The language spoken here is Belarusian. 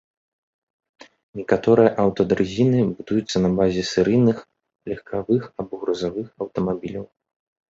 Некаторыя аўтадрызіны будуюцца на базе серыйных легкавых або грузавых аўтамабіляў.